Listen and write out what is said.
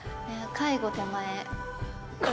介護手前？